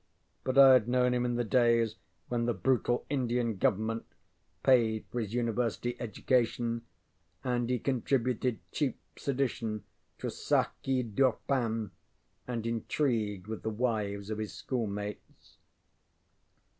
But I had known him in the days when the brutal Indian Government paid for his university education, and he contributed cheap sedition to Sachi Durpan, and intrigued with the wives of his schoolmates.